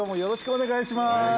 お願いします